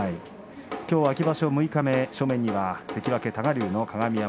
秋場所六日目正面には関脇多賀竜の鏡山